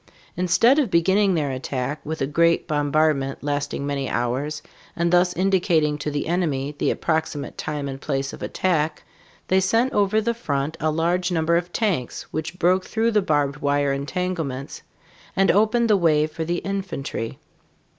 Instead of beginning their attack with a great bombardment lasting many hours and thus indicating to the enemy the approximate time and place of attack, they sent over the front a large number of "tanks" which broke through the barbed wire entanglements and opened the way for the infantry.